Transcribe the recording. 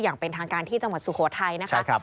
อย่างเป็นทางการที่จังหวัดสุโขทัยนะคะ